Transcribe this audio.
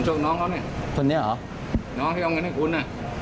น้องน้องเนี่ยน้องที่เอางานให้คุณ